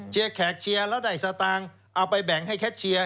แขกเชียร์แล้วได้สตางค์เอาไปแบ่งให้แคทเชียร์